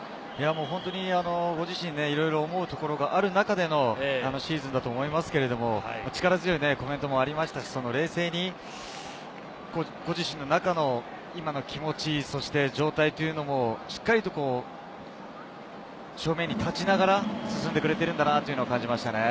本当に、ご自身でいろいろ思うところがある中でのシーズンだと思いますけれども、力強いコメントもありましたし、冷静に自身の中での気持ち、状態をしっかりと正面に立ちながら進んでくれているんだなと感じましたね。